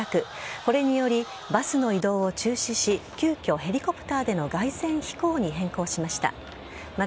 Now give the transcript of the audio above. これによりバスの移動を中止し急きょヘリコプターでの凱旋飛行に変更しました。